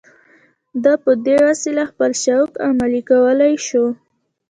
ده په دې وسیله خپل شوق عملي کولای شو